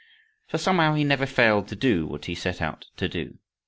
For, somehow, he never failed to do what he set out to do.